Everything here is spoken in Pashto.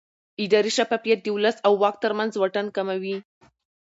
اداري شفافیت د ولس او واک ترمنځ واټن کموي